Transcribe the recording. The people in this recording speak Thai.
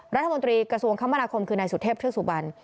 รัฐมนตรีกระทรวงคมธรรมนาคมคือในสุเทพเชษฐุบัน